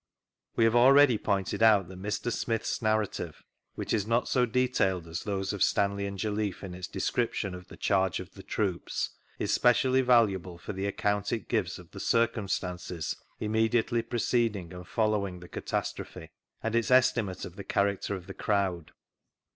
We have already pointed out .that Mr. Smith's narrative, which is not so detailed as those (rf Stanley and JoUiffe in its description of the charge of the troops, is specially valuable for the account it gives of the circumstances immediately preceding and following the catastrophe, and its estimate of the character of the crowd.